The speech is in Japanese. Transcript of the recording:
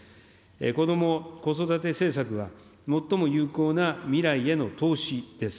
こども・子育て政策は最も有効な未来への投資です。